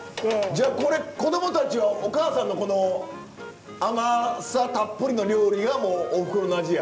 じゃあこれ子供たちはお母さんのこの甘さたっぷりの料理がもうおふくろの味や。